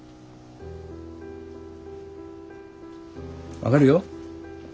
分かるよ。